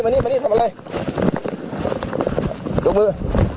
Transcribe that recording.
อันนี้คื